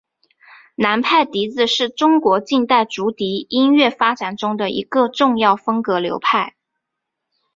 南派笛子是中国近代竹笛音乐发展中的一个重要风格流派。